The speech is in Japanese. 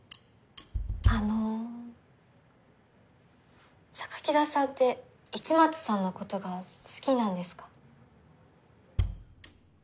あの田さんって市松さんのことが好きなんですか？